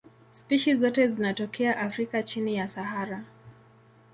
Spishi zote zinatokea Afrika chini ya Sahara.